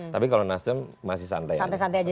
tapi kalau nasdem masih santai aja